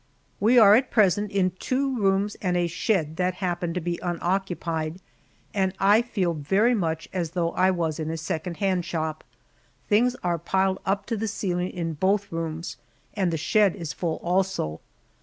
We are at present in two rooms and a shed that happened to be unoccupied, and I feel very much as though I was in a second hand shop. Things are piled up to the ceiling in both rooms, and the shed is full also.